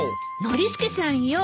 ノリスケさんよ。